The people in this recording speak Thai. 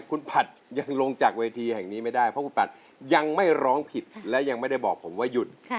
คุณผัดยังลงจากเวทีแห่งนี้ไม่ได้เพราะคุณผัดยังไม่ร้องผิดและยังไม่ได้บอกผมว่าหยุด